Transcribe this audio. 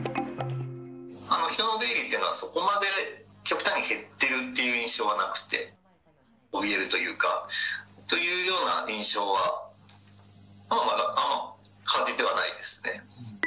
この人の出入りっていうのは、そこまで極端に減っているっていう印象はなくて、おびえるというか、というような印象は、あんまり感じてはないですね。